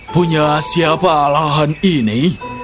punya siapa alahan ini